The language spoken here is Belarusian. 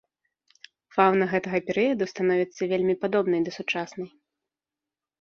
Фаўна гэтага перыяду становіцца вельмі падобнай да сучаснай.